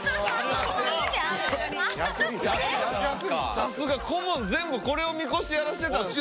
さすが顧問全部これを見こしてやらせてたんですか？